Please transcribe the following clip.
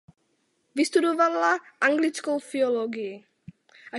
Vystudovala anglickou filologii.